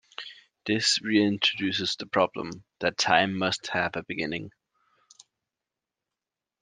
This reintroduces the problem that time must have a beginning.